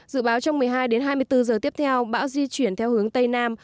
dự báo trong một mươi hai đến hai mươi bốn giờ tiếp theo bão di chuyển theo hướng tây nam